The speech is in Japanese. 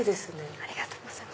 ありがとうございます。